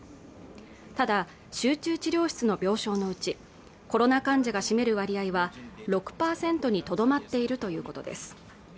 ただ集中治療室の病床のうちコロナ患者が占める割合は６％にとどまっているということです